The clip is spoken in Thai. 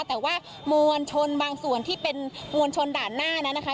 แต่ว่ามวลชนบางส่วนที่เป็นมวลชนด่านหน้านั้นนะคะ